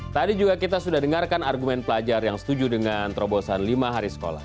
tadi juga kita sudah dengarkan argumen pelajar yang setuju dengan terobosan lima hari sekolah